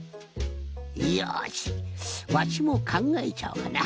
よしわしもかんがえちゃおうかな。